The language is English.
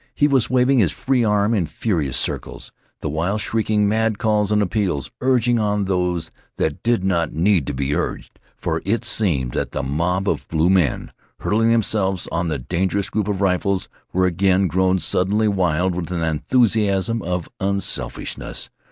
He was waving his free arm in furious circles, the while shrieking mad calls and appeals, urging on those that did not need to be urged, for it seemed that the mob of blue men hurling themselves on the dangerous group of rifles were again grown suddenly wild with an enthusiasm of unselfishness.